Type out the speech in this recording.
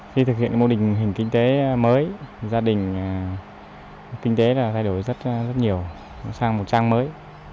khi thực hiện mô hình kinh tế mới gia đình kinh tế là thay đổi rất nhiều sang một trang mới